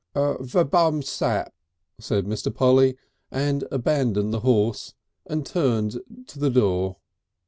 "Verbum sap," said Mr. Polly, and abandoned the horse and turned, to the door.